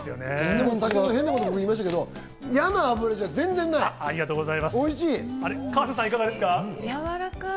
変なこと言いましたけど、嫌な脂じゃ全然ない。